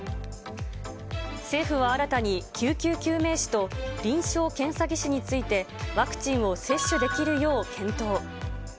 政府は新たに救急救命士と、臨床検査技師について、ワクチンを接種できるよう検討。